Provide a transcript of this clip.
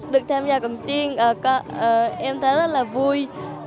được tham gia cồng chiêng em thấy rất là vui